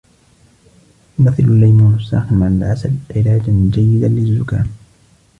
يمثل الليمون الساخن مع العسل علاجا جيدا للزكام.